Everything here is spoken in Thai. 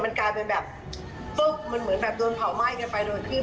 มันกลายเป็นแบบปุ๊บมันเหมือนแบบโดนเผาไหม้กันไปโดนที่